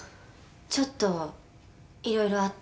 ちょっといろいろあって。